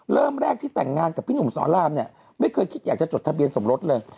เริ่มแรกที่แต่งงานกับพี่หนุ่มสอนรามเนี่ยไม่เคยคิดอยากจะจดทะเบียนสมรสเลย